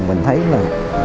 mình thấy là